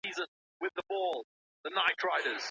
د قرنطین قوانین په هوایي ډګرونو کي سته؟